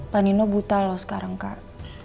pak nino buta loh sekarang kak